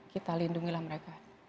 kita lindungilah mereka